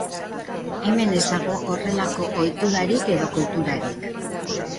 Hemen ez dago horrelako ohiturarik edo kulturarik.